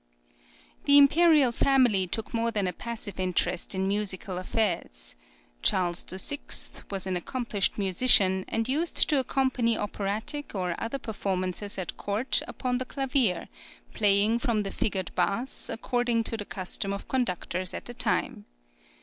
The imperial family took more than a passive interest in musical affairs. Charles VI. was an accomplished musician, and used to accompany operatic or other performances at court upon the clavier, playing from the figured bass, according to the custom of conductors at the time.